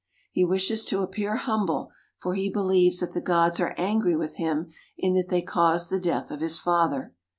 He wishes to ap pear humble, for he believes that the gods are angry with him in that they caused the death of his father.